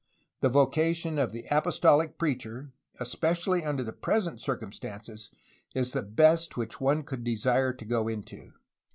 The voca tion of the apostolic preacher, especially under the present circum stances, is the best which one could desire to go into.